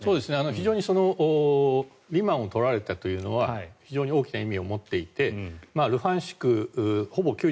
非常にリマンを取られたというのは非常に大きな意味を持っていてルハンシク、ほぼ９９％